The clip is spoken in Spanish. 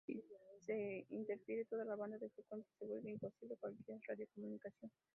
Si se interfiere toda la banda de frecuencia, se vuelve imposible cualquier radiocomunicación!